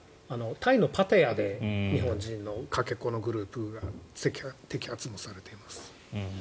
タイのパタヤで日本人のかけ子のグループが摘発もされています。